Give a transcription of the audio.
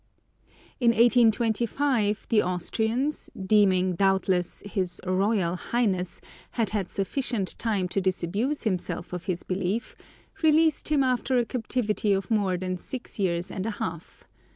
In 1825, the Austrians, deeming, doubtless, his "Royal Highness" had had sufficient time to disabuse himself of his belief, released him after a captivity of more than six years and a half.